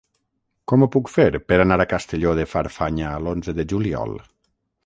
Com ho puc fer per anar a Castelló de Farfanya l'onze de juliol?